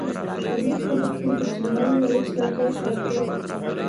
په دې قبر کې د چنار يو وچ لرګی ښخ و.